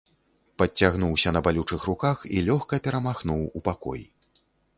Падцягнуўся на балючых руках і лёгка перамахнуў у пакой.